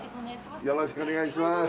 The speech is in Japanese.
よろしくお願いします